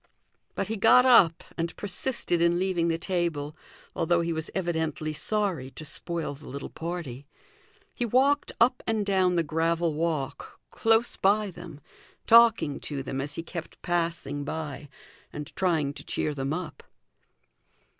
But he got up and persisted in leaving the table, although he was evidently sorry to spoil the little party. He walked up and down the gravel walk, close by them, talking to them as he kept passing by and trying to cheer them up.